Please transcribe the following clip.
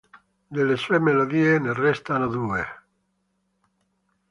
Delle sue melodie ne restano due.